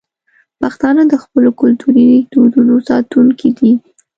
پښتانه د خپلو کلتوري دودونو ساتونکي دي.